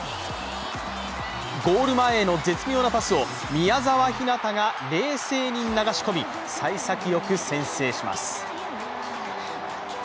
ゴール前への絶妙なパスを宮澤ひなたが冷静に流し込み、さい先よく先制します。